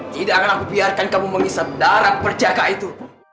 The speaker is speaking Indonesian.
tidak akan aku biarkan kamu mengisap darah berjaga itu